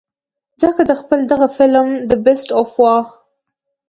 ځکه د خپل دغه فلم The Beast of War